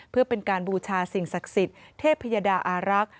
เพื่อเป็นการบูชาสิ่งศักดิ์สิทธิ์เทพยดาอารักษ์